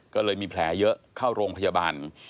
ก็เลยมีแผลเยอะเข้าโรงพยาบาล